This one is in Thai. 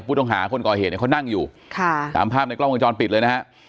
ผู้ต้องหาคนก่อเหตุเนี่ยเขานั่งอยู่ค่ะตามภาพในกล้องวงจรปิดเลยนะฮะ